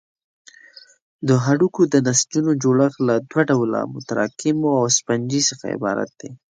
د هډوکو د نسجونو جوړښت له دوه ډوله متراکمو او سفنجي څخه عبارت دی.